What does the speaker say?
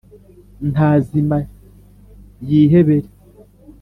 nta zima yihebere,